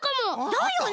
だよね！